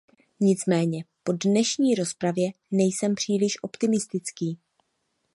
Nicméně po dnešní rozpravě nejsem příliš optimistický.